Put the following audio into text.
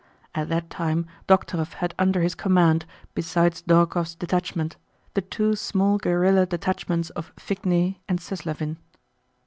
At that time Dokhtúrov had under his command, besides Dórokhov's detachment, the two small guerrilla detachments of Figner and Seslávin.